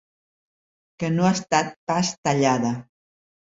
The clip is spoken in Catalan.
Que no ha estat pas tallada.